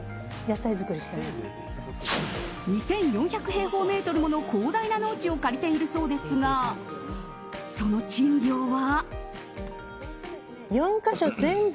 ２４００平方メートルもの広大な農地を借りているそうですがその賃料は。